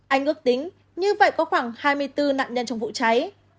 anh ước tính như vậy có khoảng hai mươi bốn nạn nhân trong vụ cháy